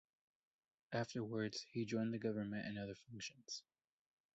Afterwards, he joined the government in other functions.